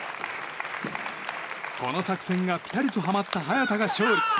この作戦がピタリとはまった早田が勝利。